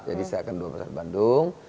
jadi saya akan dua pasar bandung